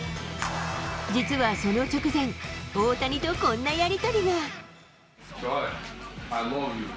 実はその直前、大谷とこんなやり取りが。